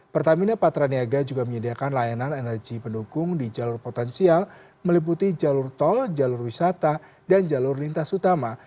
pertamina patraniaga juga menyediakan layanan energi pendukung di jalur potensial meliputi jalur tol jalur wisata dan jalur lintas utama